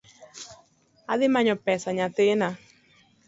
An adhi manyo pesa nyathina